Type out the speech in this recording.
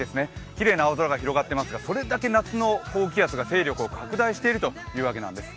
きれいな青空が広がっていますが、そけだけ夏の高気圧が勢力を拡大しているというわけなんです。